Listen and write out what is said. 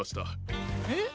えっ？